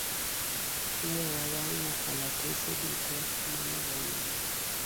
Ne wawang'o kalatese duto ma ne wan go.